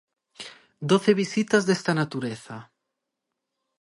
Doce visitas desta natureza.